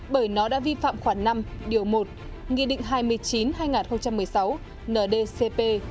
bởi nó đã vi phạm khoảng năm điều một nghị định hai mươi chín hai nghìn một mươi sáu ndcp